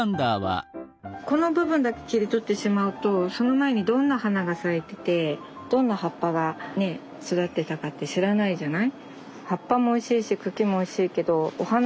この部分だけ切り取ってしまうとその前にどんな花が咲いててどんな葉っぱがね育ってたかって知らないじゃない。